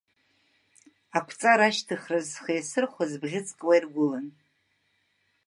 Ақәҵара ашьҭыхраз схы иасырхәаз бӷьыцк уа иргәылан.